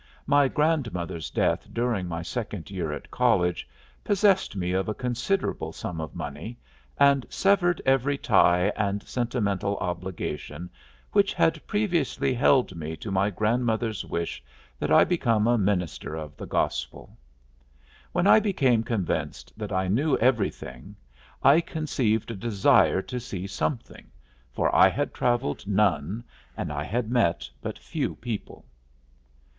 My grandmother's death during my second year at college possessed me of a considerable sum of money and severed every tie and sentimental obligation which had previously held me to my grandmother's wish that I become a minister of the gospel. When I became convinced that I knew everything I conceived a desire to see something, for I had traveled none and I had met but few people.